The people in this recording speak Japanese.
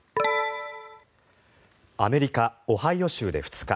アメリカ・オハイオ州で２日